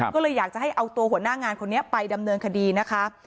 ก็เลยอยากจะให้เอาตัวหัวหน้างานคนนี้ไปดำเนินคดีนะคะ